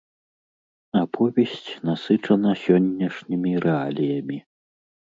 Аповесць насычана сённяшнімі рэаліямі.